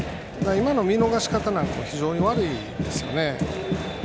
今の見逃し方なんかも非常に悪いですね。